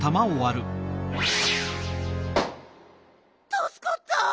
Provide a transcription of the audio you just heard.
たすかった！